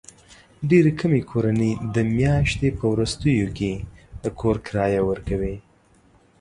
ډېرې کمې کورنۍ د میاشتې په وروستیو کې د کور کرایه ورکوي.